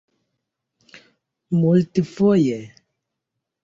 multfoje